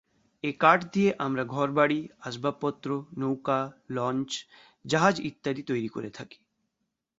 এ কাঠ দিয়ে আমরা ঘর-বাড়ি, আসবাবপত্র, নৌকা, লঞ্চ, জাহাজ ইত্যাদি তৈরি করে থাকি।